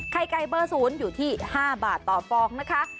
ไข่ไก่เบอร์๐อยู่ที่๕บาทต่อฟองนะคะ